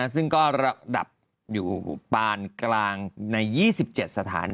ซึ่งก็ระดับอยู่ปานกลางใน๒๗สถาน